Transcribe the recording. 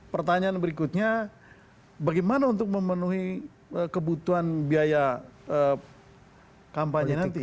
pertanyaan berikutnya bagaimana untuk memenuhi kebutuhan biaya kampanye nanti